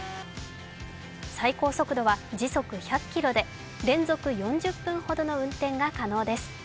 最高速度は時速１００キロで連続４０分ほどの飛行が可能です。